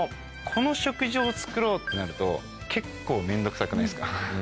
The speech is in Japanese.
この食事を作ろうってなると結構面倒くさくないですか？